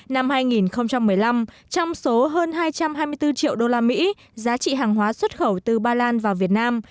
năm hai nghìn một mươi năm trong số hơn hai trăm hai mươi bốn triệu đô la mỹ giá trị hàng hóa xuất khẩu từ ba lan vào việt nam